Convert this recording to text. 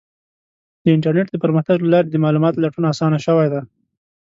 د انټرنیټ د پرمختګ له لارې د معلوماتو لټون اسانه شوی دی.